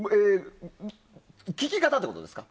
聞き方ってことですか？